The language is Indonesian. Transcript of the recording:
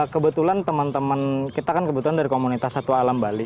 kebetulan teman teman kita kan kebetulan dari komunitas satwa alam bali